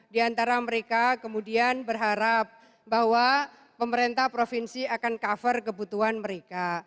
di antara mereka kemudian berharap bahwa pemerintah provinsi akan cover kebutuhan mereka